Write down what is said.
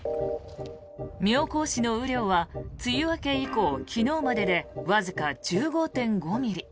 妙高市の雨量は梅雨明け以降、昨日まででわずか１５．５ミリ。